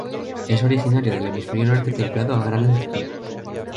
Es originario del Hemisferio Norte templado a gran altitud.